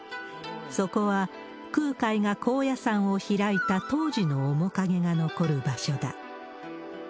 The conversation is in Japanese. そこは、空海が高野山を開いた当時の面影が残る場所だ。